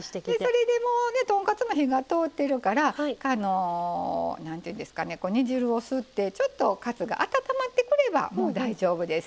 それでもうね豚カツが火が通ってるから何ていうんですかね煮汁を吸ってちょっとカツが温まってくればもう大丈夫です。